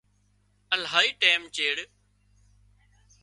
الاهي ٽيم چيڙ